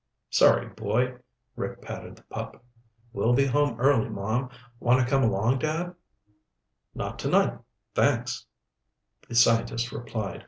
"Sorry, boy." Rick patted the pup. "We'll be home early, Mom. Want to come along, Dad?" "Not tonight, thanks," the scientist replied.